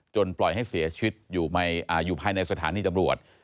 ปล่อยให้เสียชีวิตอยู่ภายในสถานีตำรวจ